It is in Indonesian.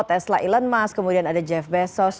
tesla elon musk kemudian ada jeff bezos